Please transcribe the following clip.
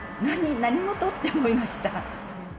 何事と思いました。